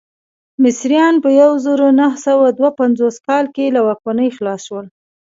مصریان په یو زرو نهه سوه دوه پنځوس کال کې له واکمنۍ خلاص شول.